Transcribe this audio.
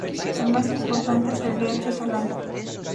El más importante es el Riacho Salado.